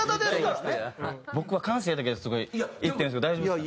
僕は感性だけですごい言ってるんですけど大丈夫ですか？